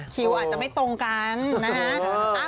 คิวอาจจะไม่ตรงกันนะฮะ